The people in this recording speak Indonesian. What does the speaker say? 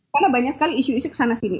karena banyak sekali isu isu kesana sini